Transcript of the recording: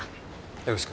よろしく。